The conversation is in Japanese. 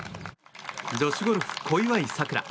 女子ゴルフ、小祝さくら。